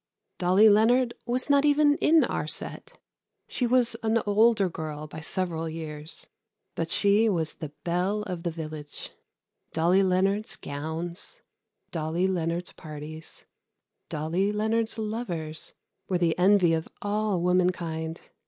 Dolly Leonard was not even in our set. She was an older girl by several years. But she was the belle of the village. Dolly Leonard's gowns, Dolly Leonard's parties, Dolly Leonard's lovers, were the envy of all womankind.